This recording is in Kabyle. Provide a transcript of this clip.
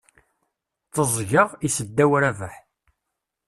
Teẓẓgeɣ, issedaw Rabaḥ.